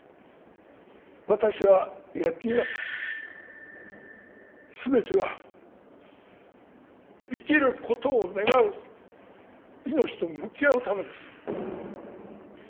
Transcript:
私は躍起になった全ては生きることを願う命と向き合うためです